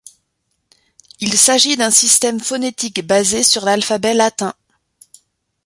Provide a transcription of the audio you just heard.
Il s’agit d’un système phonétique basé sur l’alphabet latin.